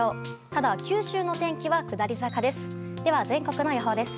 ただ、九州の天気は下り坂です。